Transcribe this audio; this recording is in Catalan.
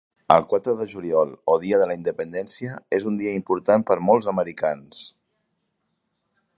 El quatre de juliol, o Dia de la Independència, és un dia important per a molts americans.